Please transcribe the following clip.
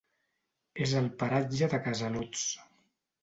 És al paratge de Casalots.